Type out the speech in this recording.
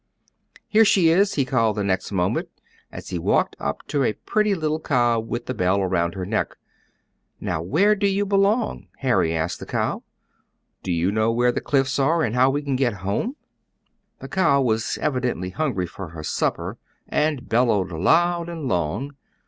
"Here she is!" he called, the next moment, as he walked up to a pretty little cow with the bell on her neck. "Now, where do you belong?" Harry asked the cow. "Do you know where the Cliffs are, and how we can get home?" The cow was evidently hungry for her supper, and bellowed loud and long.